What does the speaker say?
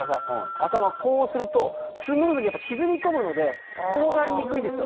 頭こうするとスムーズに沈み込むので転がりにくいんですよ。